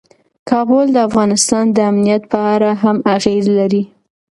کابل د افغانستان د امنیت په اړه هم اغېز لري.